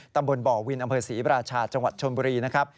ตำบลบ่อวินอำเภอศรีราชาจังหวัดชนบุรีนะครับ